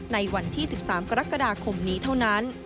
ในวันที่๑๓กรกฎาคมนี้เท่านั้น